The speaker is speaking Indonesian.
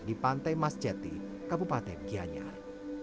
di pantai masjati kabupaten gianyar